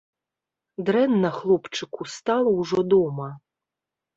Дрэнна хлопчыку стала ўжо дома.